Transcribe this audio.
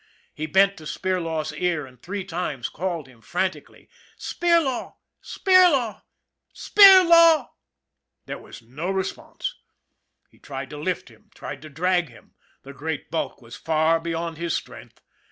He bent to Spirlaw's ear and three times called him frantically :" Spirlaw ! Spirlaw ! Spirlaw! " There was no re sponse. He tried to lift him, tried to drag him the great bulk was far beyond his strength.